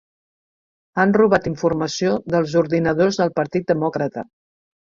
Han robat informació dels ordinadors del Partit Demòcrata